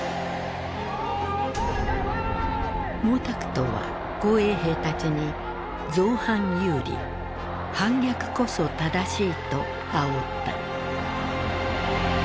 毛沢東は紅衛兵たちに「造反有理」「反逆こそ正しい」とあおった。